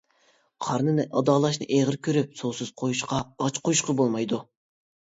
قارنىنى ئادالاشنى ئېغىر كۆرۈپ سۇسىز قويۇشقا، ئاچ قويۇشقا بولمايدۇ.